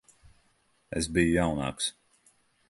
Es biju jaunāks.